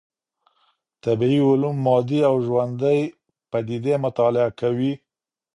طبيعي علوم مادي او ژوندۍ پديدې مطالعه کوي.